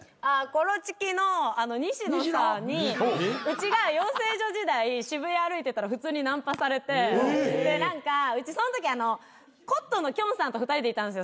コロチキの西野さんにうちが養成所時代渋谷歩いてたら普通にナンパされてで何かうちそんときコットンのきょんさんと２人でいたんですよ